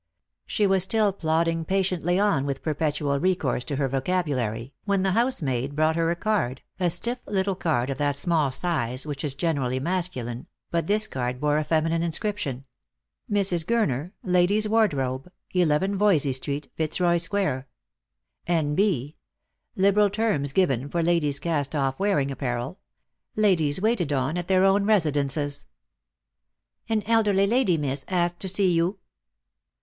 She was still plodding patiently on with perpetual recourse to her vocabulary, when the house maid brought her a card, a stiff little card of that small size which is generally masculine, but this card bore a feminine inscription : Mrs. GURNER, Ladies' Wardrobe, 11 Voysey street, Fitzroy square. N.B. Liberal terms given for Ladies' cast off wearing apparel. Ladies waited on at their own residences. " An elderly lady, miss, asked to see you.''